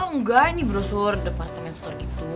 oh enggak ini brosur departemen store gitu